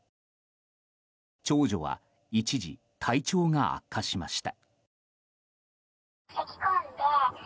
長女は一時体調が悪化しました。